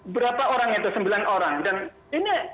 berapa orang itu sembilan orang dan ini